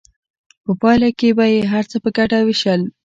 په پایله کې به یې هر څه په ګډه ویشل.